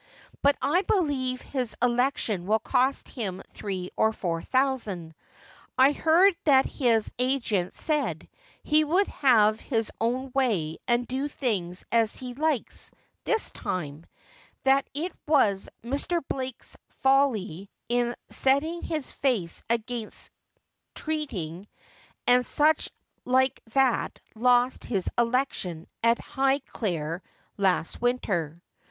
But I believe his election will cost him thiee or four thousand. I heaid that his agent said he would have his own way and do things as he likes this time — that it was Mr. Blake's folly in setting his face against treating and such like that lost his election at Highcleie last winter.'